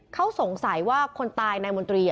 เขาสงสัยว่าคนตายนายมนตรี